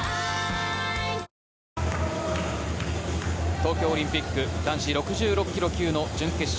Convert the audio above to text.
東京オリンピック男子６６ｋｇ級の準決勝。